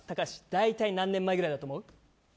だいたい何年前ぐらいだと思う。